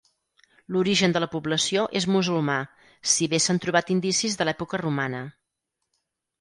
L'origen de la població és musulmà, si bé s'han trobat indicis de l'època romana.